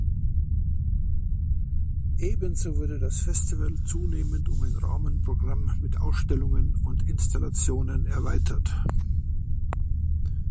Ebenso wurde das Festival zunehmend um ein Rahmenprogramm mit Ausstellungen und Installationen erweitert.